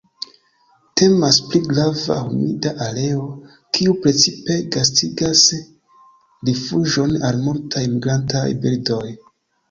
Temas pri grava humida areo, kiu precipe gastigas rifuĝon al multaj migrantaj birdoj.